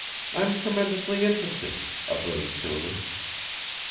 I'm tremendously interested," averred Shirley.